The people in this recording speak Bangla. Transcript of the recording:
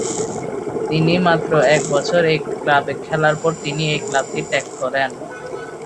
তিনি মাত্র এক বছর এই ক্লাবে খেলার পর তিনি এই ক্লাবটি ত্যাগ করেন।